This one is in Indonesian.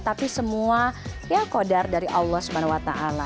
tapi semua ya kodar dari allah subhanahu wa ta'ala